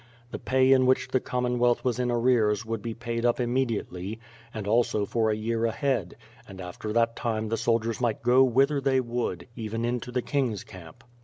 The pay in which the Common wealth was in arrears would be paid up immediately, and also for a year ahead, and after that time the soldiers might go whither they would, even into the king's camp.